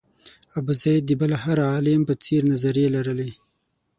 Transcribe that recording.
ابوزید د بل هر عالم په څېر نظریې لرلې.